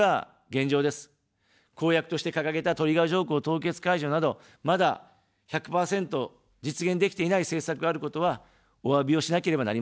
公約として掲げたトリガー条項凍結解除など、まだ１００％実現できていない政策があることは、おわびをしなければなりません。